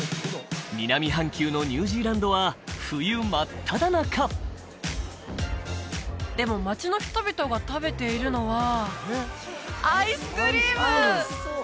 南半球のニュージーランドは冬真っただ中でも街の人々が食べているのはアイスクリーム！